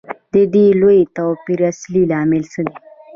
د دې لوی توپیر اصلي لامل څه دی